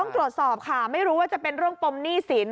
ตรวจสอบค่ะไม่รู้ว่าจะเป็นเรื่องปมหนี้สิน